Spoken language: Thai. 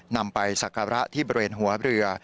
นำไปสักการะที่บริเวณหัวเรือ